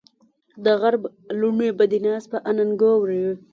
دغرب لوڼې به دې ناز په اننګو وړي